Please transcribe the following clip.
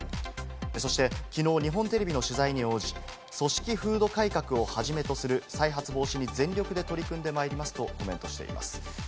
そして、きのう日本テレビの取材に応じ、組織風土改革をはじめとする再発防止に全力で取り組んでまいりますとコメントしています。